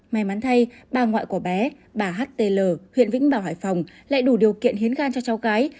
may mắn thay bà ngoại của bé bà htl huyện vĩnh bảo hải phòng lại đủ điều kiện hiến gan cho cháu cái